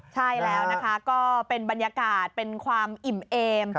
ใช่แล้วนะคะก็เป็นบรรยากาศเป็นความอิ่มเอม